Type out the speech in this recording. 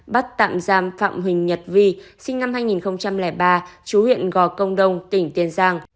bắt tạm giam phạm huỳnh nhật vi sinh năm hai nghìn ba chú huyện gò công đông tỉnh tiền giang